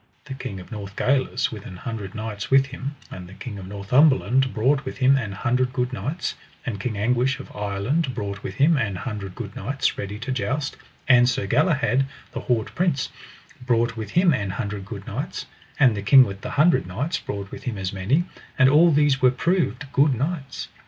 The King of Northgalis with an hundred knights with him, and the King of Northumberland brought with him an hundred good knights, and King Anguish of Ireland brought with him an hundred good knights ready to joust, and Sir Galahad, the haut prince, brought with him an hundred good knights, and the King with the Hundred Knights brought with him as many, and all these were proved good knights.